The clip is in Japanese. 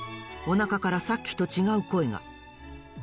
おなかからさっきとちがうこえが。